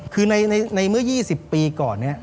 คือในเมื่อ๒๐ปีก่อนเนี่ย